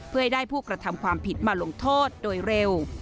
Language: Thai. เพื่อให้ได้ผู้กระทำความผิดมาลงโทษโดยเร็ว